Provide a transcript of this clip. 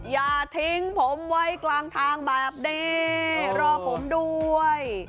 อย่าทิ้งผมไว้กลางทางแบบนี้รอผมด้วย